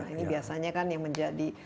ini biasanya kan yang menjadi